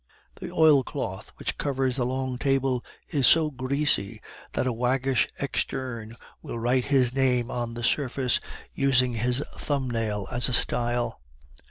The oilcloth which covers the long table is so greasy that a waggish externe will write his name on the surface, using his thumb nail as a style.